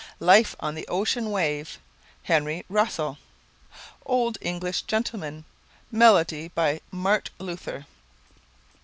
Life on the Ocean Wave ........................ HENRY RUSSELL. Old English Gentleman ......................... Melody by MART. LUTHER.